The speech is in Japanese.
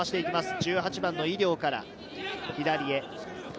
１８番の井料から左へ。